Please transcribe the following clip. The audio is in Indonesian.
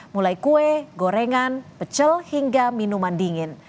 mulai kue gorengan pecel hingga minuman dingin